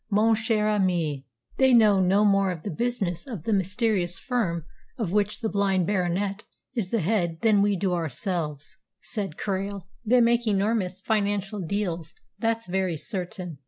"Mon cher ami, they know no more of the business of the mysterious firm of which the blind Baronet is the head than we do ourselves," said Krail. "They make enormous financial deals, that's very certain."